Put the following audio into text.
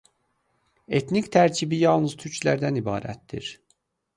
Etnik tərkibi yalnız türklərdən ibarətdir.